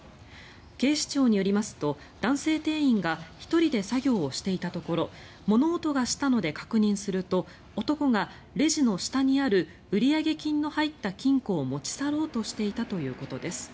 警視庁によりますと男性店員が１人で作業をしていたところ物音がしたので確認すると男がレジの下にある売上金の入った金庫を持ち去ろうとしていたということです。